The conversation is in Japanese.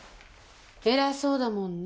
エラそうだもんね